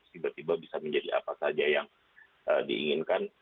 tiba tiba bisa menjadi apa saja yang diinginkan